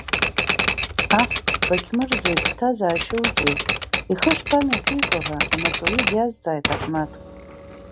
Аҳ Бақьмырза иԥсҭазаашьоузеи, ихы шԥамҩаԥиго ҳәа, амаҵуҩы дизҵааит Аҳмаҭ.